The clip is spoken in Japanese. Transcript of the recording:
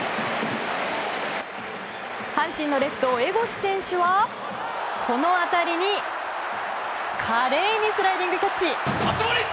阪神のレフト、江越選手はこの当たりに華麗にスライディングキャッチ！